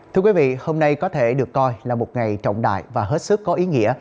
thưa quý vị hôm nay có thể được coi là một ngày trọng đại và hết sức có ý nghĩa